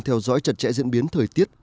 theo dõi chặt chẽ diễn biến thời tiết